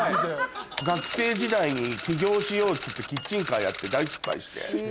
学生時代に起業しようっていってキッチンカーやって大失敗して。